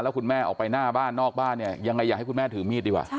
คุณแม่ออกไปหน้าบ้านนอกบ้านเนี่ยยังไงอยากให้คุณแม่ถือมีดดีกว่า